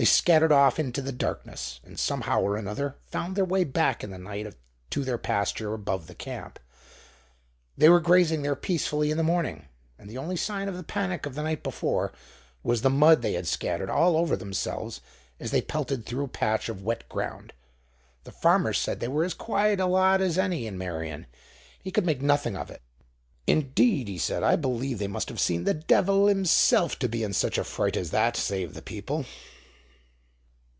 They scattered off into the darkness, and somehow or another found their way back in the night to their pasture above the camp. They were grazing there peacefully in the morning, and the only sign of the panic of the night before was the mud they had scattered all over themselves as they pelted through a patch of wet ground. The farmer said they were as quiet a lot as any in Meirion; he could make nothing of it. "Indeed," he said, "I believe they must have seen the devil himself to be in such a fright as that: save the people!"